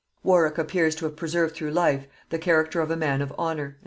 Warwick appears to have preserved through life the character of a man of honor and a brave soldier.